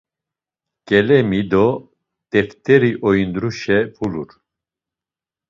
Ǩelemi do t̆eft̆eri oindruşe vulur.